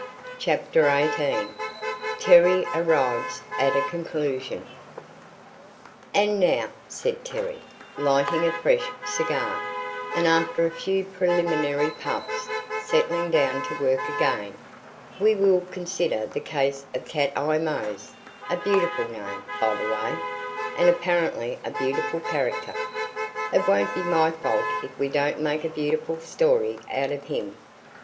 CHAPTER XVIII TERRY ARRIVES AT A CONCLUSION "And now," said Terry, lighting a fresh cigar, and after a few preliminary puffs, settling down to work again, "we will consider the case of Cat Eye Mose a beautiful name, by the way, and apparently a beautiful character. It won't be my fault if we don't make a beautiful story out of him.